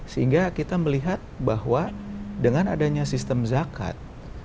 sehingga kita melihat bahwa dengan adanya sistem zakat